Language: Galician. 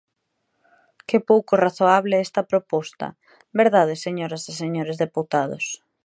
¿Que pouco razoable é esta proposta?, ¿verdade, señoras e señores deputados?